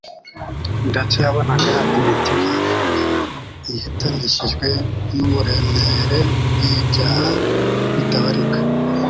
ndetse yabonaga imitima ihetamishijwe n'uburemere bw'ibyaha bitabarika,